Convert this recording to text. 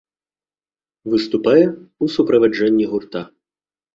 Выступае ў суправаджэнні гурта.